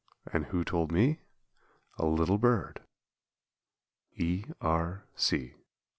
and who told me? A little Bird. _E. R. C.